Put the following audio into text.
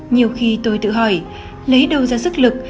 nhiều khi tôi tự hỏi lấy đầu ra sức lực